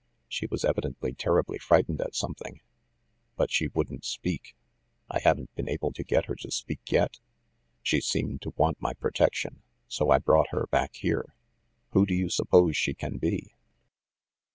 She was evidently terribly frightened at something; but she wouldn't speak. I haven't been able to get her to speak yet. She seemed to want my protection ; so I brought her back here. Who do you suppose she can be